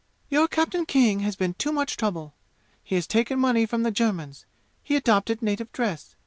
"Your Captain King has been too much trouble. He has taken money from the Germans. He adopted native dress.